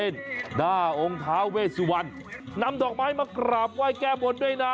หน้าองค์ท้าเวสวันนำดอกไม้มากราบไหว้แก้บนด้วยนะ